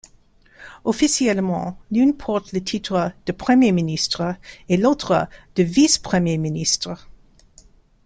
Officiellement, l'une porte le titre de Premier ministre et l'autre de vice-Premier ministre.